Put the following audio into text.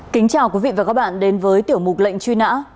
kính chào quý vị và các bạn đến với tiểu mục lệnh truy nã